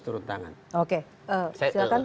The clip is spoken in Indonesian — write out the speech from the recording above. turun tangan oke silahkan